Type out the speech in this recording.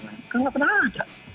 kan nggak pernah ada